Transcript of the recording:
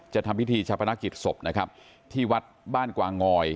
ทำพิธีชาปนกิจศพนะครับที่วัดบ้านกวางอย